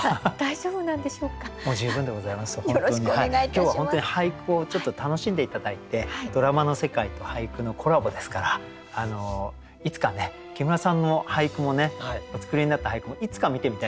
今日は本当に俳句をちょっと楽しんで頂いてドラマの世界と俳句のコラボですからいつかね木村さんの俳句もねお作りになった俳句もいつか見てみたいですよね。